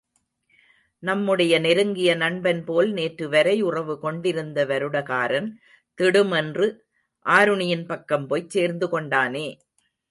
நம்முடைய நெருங்கிய நண்பன்போல நேற்றுவரை உறவு கொண்டிருந்த வருடகாரன், திடுமென்று ஆருணியின் பக்கம் போய்ச் சேர்ந்து கொண்டானே!